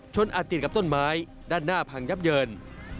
อาจติดกับต้นไม้ด้านหน้าพังยับเยิน